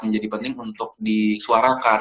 menjadi penting untuk disuarakan